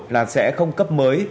là sẽ không cấp mới